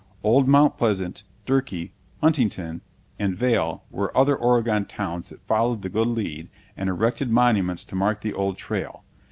Old Mount Pleasant, Durkee, Huntington, and Vale were other Oregon towns that followed the good lead and erected monuments to mark the old trail.